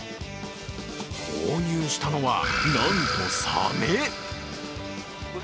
購入したのは、なんとサメ！